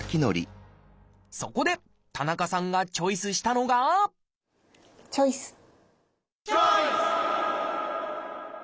そこで田中さんがチョイスしたのがチョイス！